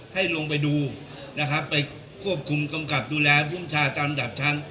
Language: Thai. ให้ลงไปดูนะครับไปควบคุมกำกับดูแลภูมิชาตามดับชั้น